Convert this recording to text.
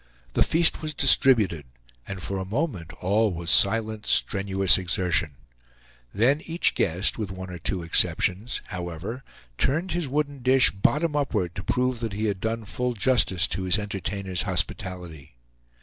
The feast was distributed, and for a moment all was silent, strenuous exertion; then each guest, with one or two exceptions, however, turned his wooden dish bottom upward to prove that he had done full justice to his entertainer's hospitality.